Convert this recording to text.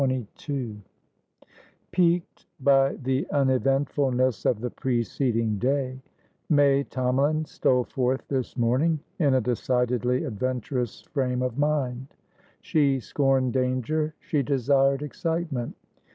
CHAPTER XXII Piqued by the uneventfulness of the preceding day, May Tomalin stole forth this morning in a decidedly adventurous frame of mind. She scorned danger; she desired excitement.